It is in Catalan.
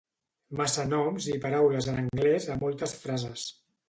Massa noms i paraules en anglès a moltes frases